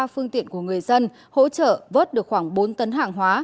ba phương tiện của người dân hỗ trợ vớt được khoảng bốn tấn hàng hóa